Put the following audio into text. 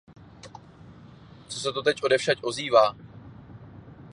Co se to teď odevšad ozývá?